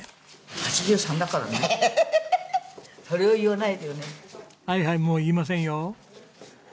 はいはいもう言いませんよ。